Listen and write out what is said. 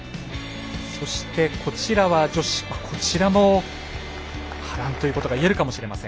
そして、こちらも波乱ということが言えるかもしれません。